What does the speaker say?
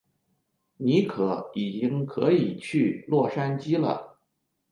尼可已经可以去洛杉矶了。